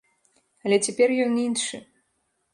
Але цяпер ён іншы.